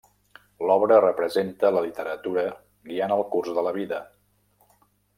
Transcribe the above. L'obra representa la literatura guiant el curs de la vida.